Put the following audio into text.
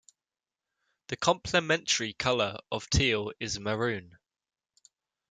The complementary color of teal is maroon.